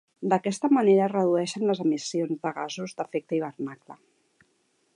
D'aquesta manera es redueixen les emissions de gasos d'efecte hivernacle.